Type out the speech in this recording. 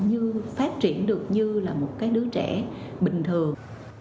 như phát triển được như là một cái đứa trẻ bình thường